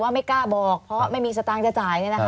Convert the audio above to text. ไม่กล้าบอกเพราะไม่มีสตางค์จะจ่าย